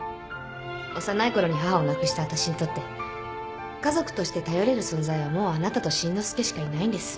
幼いころに母を亡くしたわたしにとって家族として頼れる存在はもうあなたと新之介しかいないんです。